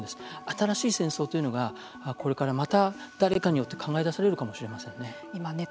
新しい戦争というのがこれからまた誰かによって考え出されるかもしれませんね。